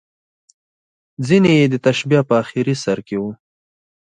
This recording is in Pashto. ځینې یې د تشبیه په اخري سر کې وو.